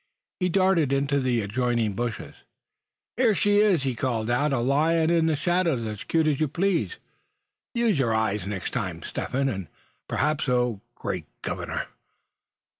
He darted into the adjoining bushes. "Here she is!" he called out, "and alyin' in the shadows, as cute as you please. Use your eyes next time, Step Hen, and p'raps oh! great governor!"